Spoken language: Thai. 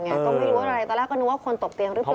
ก็ไม่รู้อะไรตอนแรกก็นึกว่าคนตกเตียงหรือเปล่า